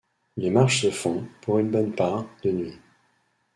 Les marches se font, pour une bonne part, de nuit.